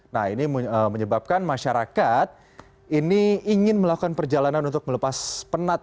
nah ini menyebabkan masyarakat ini ingin melakukan perjalanan untuk melepas penat